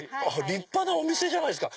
立派なお店じゃないですか！